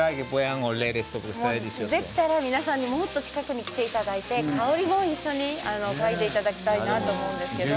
できたら皆さんにもっと近くに来ていただいて香りも一緒に嗅いでいただきたいなと思うんですけれども。